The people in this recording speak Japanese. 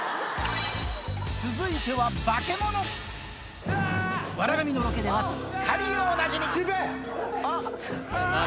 続いては『笑神』のロケではすっかりおなじみああああ！